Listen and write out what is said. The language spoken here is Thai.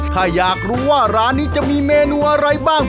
ถ้าอยากรู้ว่าร้านนี้จะมีเมนูอะไรบ้าง